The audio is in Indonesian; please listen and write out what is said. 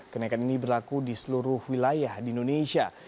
kenaikan ini berlaku di seluruh wilayah di indonesia